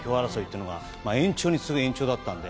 それが延長に次ぐ延長だったので。